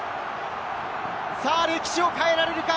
歴史を変えられるか？